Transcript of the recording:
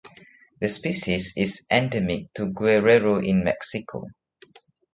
The species is endemic to Guerrero in Mexico.